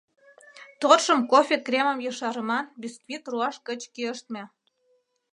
Тортшым кофе кремым ешарыман бисквит руаш гыч кӱэштме.